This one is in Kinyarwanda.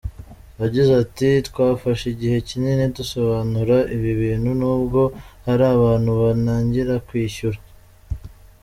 Yagize ati “Twafashe igihe kinini dusobanura ibi bintu nubwo hari abantu banangira kwishyura.